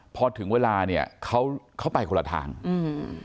พอถึงเวลาเนี้ยเขาเขาไปคนละทางอืม